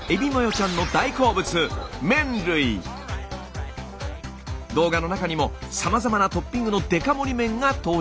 ちゃんの大好物動画の中にもさまざまなトッピングのデカ盛り麺が登場します。